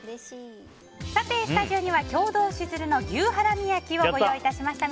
スタジオには経堂しずるの牛ハラミ焼きをご用意致しました。